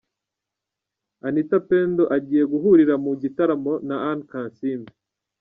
Anita Pendo agiye guhurira mu gitaramo na Anne kansiime .